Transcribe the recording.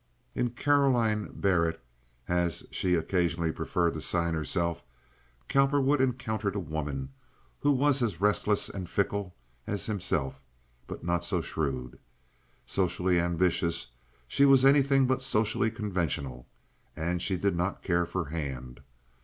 In Caroline Barrett, as she occasionally preferred to sign herself, Cowperwood encountered a woman who was as restless and fickle as himself, but not so shrewd. Socially ambitious, she was anything but socially conventional, and she did not care for Hand.